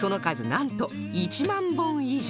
なんと１万本以上